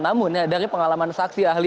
namun dari pengalaman saksi ahli